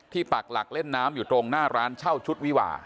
ปักหลักเล่นน้ำอยู่ตรงหน้าร้านเช่าชุดวิวา